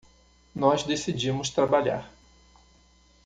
Nós decidimos trabalhar